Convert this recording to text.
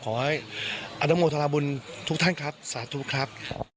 ขอให้อนุโมทราบุญทุกท่านครับสาธุครับ